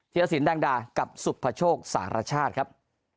เที่ยวสินดังดากับสุภโชคสารชาติครับ